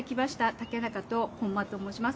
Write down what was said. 武仲と本間と申します。